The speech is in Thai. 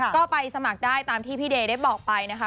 ก็ไปสมัครได้ตามที่พี่เดย์ได้บอกไปนะคะ